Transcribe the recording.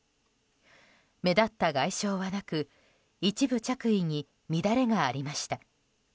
目立った外傷はなく一部着衣に乱れがありました。